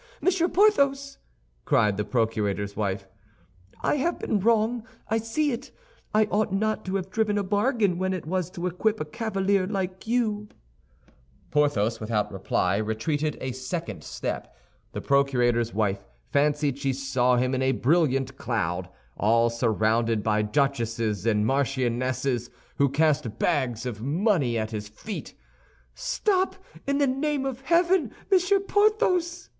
Monsieur Porthos!" cried the procurator's wife. "I have been wrong; I see it. I ought not to have driven a bargain when it was to equip a cavalier like you." Porthos, without reply, retreated a second step. The procurator's wife fancied she saw him in a brilliant cloud, all surrounded by duchesses and marchionesses, who cast bags of money at his feet. "Stop, in the name of heaven, Monsieur Porthos!"